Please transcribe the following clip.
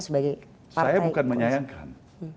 sebagai saya bukan menyayangkan